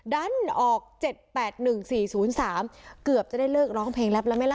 ดันออกเจ็ดแปดหนึ่งสี่ศูนย์สามเกือบจะได้เลิกร้องเพลงแรปแล้วไหมล่ะ